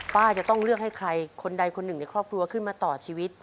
ป้าจะต้องเลือกให้ใครคนใดคนหนึ่งในครอบครัวขึ้นมาต่อชีวิต